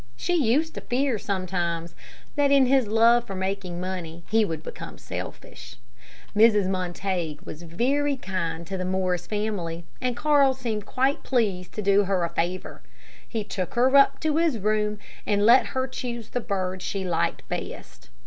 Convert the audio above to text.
She used to fear sometimes, that in his love for making money, he would become selfish. Mrs. Montague was very kind to the Morris family, and Carl seemed quite pleased to do her a favor. He took her up to his room, and let her choose the bird she liked best.